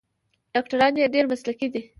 ډاکټران یې ډیر مسلکي دي.